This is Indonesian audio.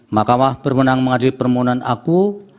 mahkamah berwenang mengadil permohonan aku